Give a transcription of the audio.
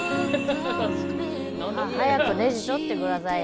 早くネジ取ってくださいよ。